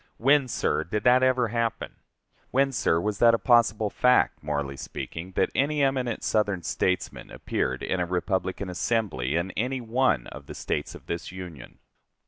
When, sir, did that ever happen? When, sir, was that a possible fact, morally speaking, that any eminent Southern statesman appeared in a Republican assembly in any one of the States of this Union?